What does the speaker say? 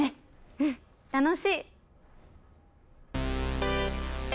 うん楽しい！